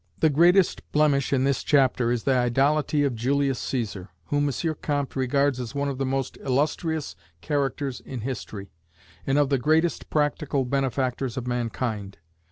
The greatest blemish in this chapter is the idolatry of Julius Caesar, whom M. Comte regards as one of the most illustrious characters in history, and of the greatest practical benefactors of mankind.